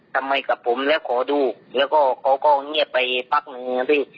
ทำไมกับผมแล้วขอดูแล้วก็เขาก็เงียบไปพักหนึ่งนะพี่